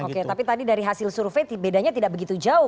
oke tapi tadi dari hasil survei bedanya tidak begitu jauh